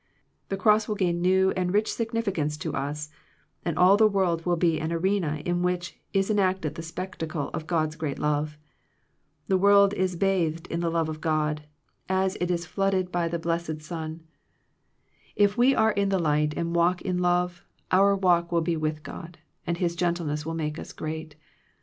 The cross will gain new and rich significance to us, and all the world will be an arena in which is enacted the spectacle of God's great love. The world is bathed in the love of God, as it is flooded by the blessed i86 Digitized by VjOOQIC THE RENEWING OF FRIENDSHIP sun. If we are in the light and walk in love, our walk will be with God, and His gentleness will make us great.